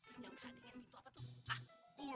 pinjam sadingin pintu apa tuh